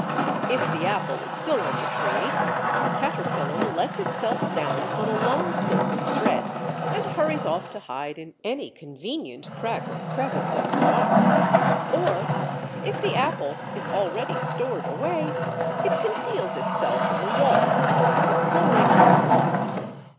If the apple is still on the tree, the caterpillar lets itself down on a long silken thread and hurries off to hide in any convenient crack or crevice of the bark, or if the apple is already stored away, it conceals itself in the walls or in the flooring of the loft.